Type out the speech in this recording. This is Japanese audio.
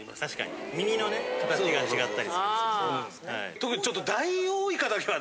特にちょっと。